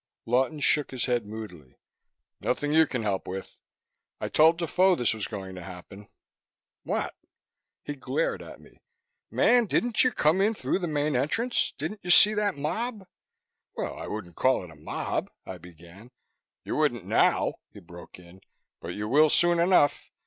Lawton shook his head moodily. "Nothing you can help with. I told Defoe this was going to happen!" "What?" He glared at me. "Man, didn't you just come in through the main entrance? Didn't you see that mob?" "Well, I wouldn't call it a mob," I began. "You wouldn't now," he broke in. "But you will soon enough.